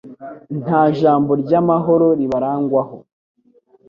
Nta jambo ry’amahoro ribarangwaho